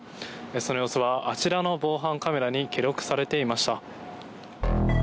その様子はあちらの防犯カメラに記録されていました。